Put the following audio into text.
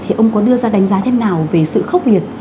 thì ông có đưa ra đánh giá thế nào về sự khốc liệt